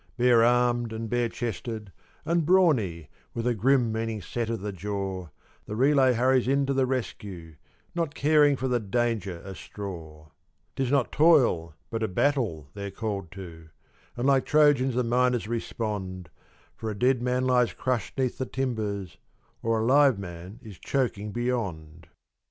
Bare armed, and bare chested, and brawny, with a grim, meaning set of the jaw, The relay hurries in to the rescue, caring not for the danger a straw; 'Tis not toil, but a battle, they're called to, and like Trojans the miners respond, For a dead man lies crushed 'neath the timbers, or a live man is choking beyond.